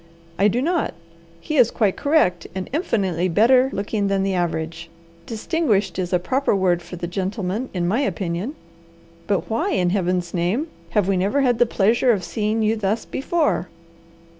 I do not. He is quite correct, and infinitely better looking than the average. Distinguished is a proper word for the gentleman in my opinion. But why, in Heaven's name, have we never had the pleasure of seeing you thus before?"